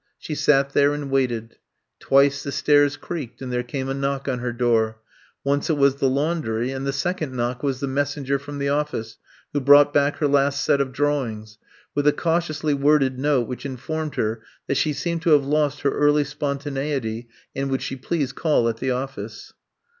She sat there and waited. Twice the stairs creaked and there came a knock on her door. Once it was the lanndry and the second knock was the messenger from the office who brought back her last set of drawings, with a cautiously worded note which informed her that she seemed to have lost her early spontaneity, and would she please call at the office.